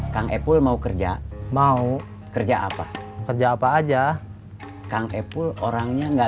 kang epul mau kerja mau kerja apa kerja apa aja kang epul orangnya enggak